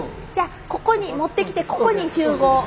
じゃあここに持ってきてここに集合。